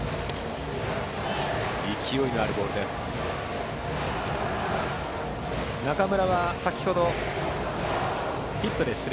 勢いのあるボールでした。